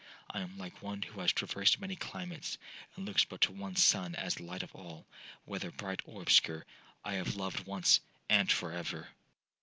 I am like one who has traversed many climates, and looks but to one sun as the light of all, whether bright or obscure. I have loved once—and for ever!'